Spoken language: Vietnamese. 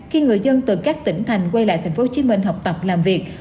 khi người dân từ các tỉnh thành quay lại tp hcm học tập làm việc